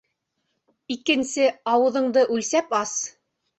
Икенсе, ауыҙыңды үлсәп ас!